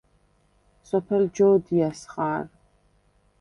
სოფელ ჯო̄დიას ხა̄რ.